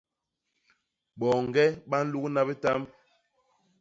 Boñge ba nlugna bitamb.